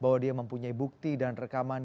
bahwa dia mempunyai bukti dan rekaman